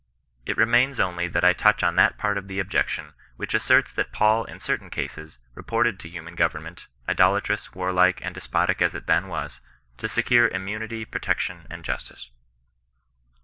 It re mains only that I touch on that part of the objection which asserts that Paul in certain cases resorted to human government, idolatrous, warlike, and despotic as it then was, to secure immunity, protection, and justice.